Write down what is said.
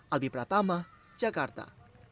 albi pratama jakarta